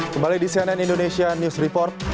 kembali di cnn indonesia news report